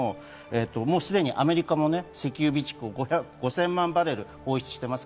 すでにアメリカも石油備蓄を５０００万バレル放出しています。